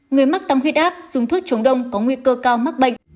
người mắc tâm huyết áp dùng thuốc chống đông có nguy cơ cao mắc bệnh